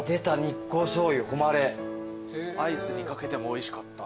アイスに掛けてもおいしかった。